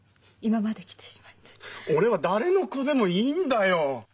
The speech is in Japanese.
俺は誰の子でもいいんだよ！